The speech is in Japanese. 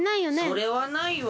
それはないわ。